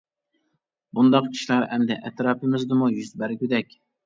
بۇنداق ئىشلار ئەمدى ئەتراپىمىزدىمۇ يۈز بەرگۈدەك!